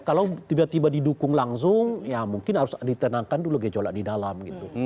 kalau tiba tiba didukung langsung ya mungkin harus ditenangkan dulu gejolak di dalam gitu